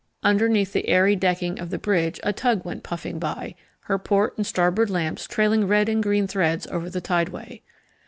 Underneath the airy decking of the bridge a tug went puffing by, her port and starboard lamps trailing red and green threads over the tideway.